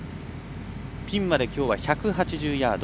ピンまできょうは１８０ヤード。